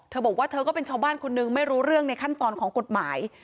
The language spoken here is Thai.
บอกว่าเธอก็เป็นชาวบ้านคนนึงไม่รู้เรื่องในขั้นตอนของกฎหมาย